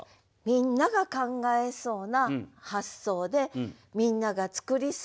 みんなが考えそうな発想でみんなが作りそうな句。